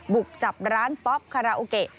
บุกจับร้านป๊อปคาราโอเกะ